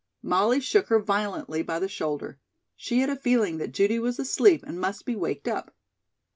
Molly shook her violently by the shoulder. She had a feeling that Judy was asleep and must be waked up.